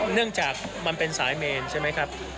เนื่องจากมันเป็นสายเมนใช่ไหมครับ